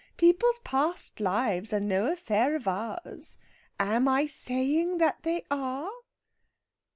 People's past lives are no affair of ours. Am I saying that they are?"